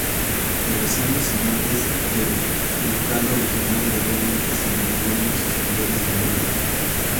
En los años siguientes, el ducado original gradualmente se dividió en muchas unidades menores.